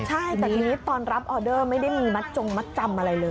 ใช่แต่ทีนี้ตอนรับออเดอร์ไม่ได้มีมัดจงมัดจำอะไรเลย